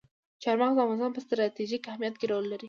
چار مغز د افغانستان په ستراتیژیک اهمیت کې رول لري.